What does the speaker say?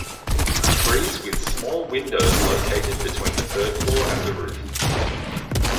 A frieze with small windows located between the third floor and the roof.